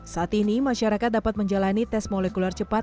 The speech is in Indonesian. saat ini masyarakat dapat menjalani tes molekuler cepat